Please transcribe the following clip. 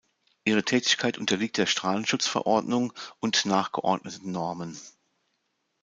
Ihre Tätigkeit unterliegt der Strahlenschutzverordnung und nachgeordneten Normen.